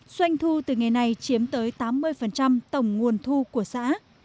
doanh thu từ ngày nay chiếm tới tám mươi tổng nguồn thu của xã